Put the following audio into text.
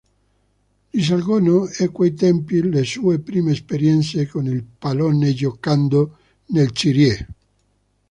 Risalgono a quei tempi le sue prime esperienze con il pallone giocando nel Cirié.